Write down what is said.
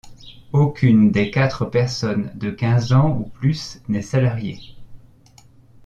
Aucune des quatre personnes de quinze ans ou plus n'est salariée.